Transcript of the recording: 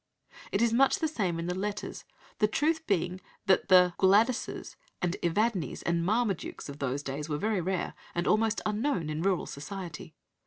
It is much the same in the letters, the truth being that the Gwladyses, and Evadnes, and Marmadukes of those days were very rare, and almost unknown in rural society.